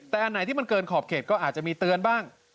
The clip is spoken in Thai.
แต่อันไหนที่มันเกินขอบเขตก็อาจจะมีเตือนบ้าง